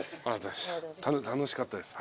楽しかったです。